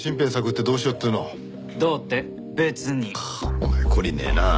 お前懲りねえなあ。